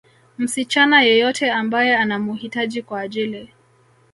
msichana yeyote ambaye anamuhitaji kwa ajili